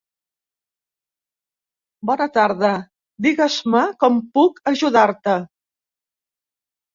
Bona tarda, digues-me com puc ajudar-te.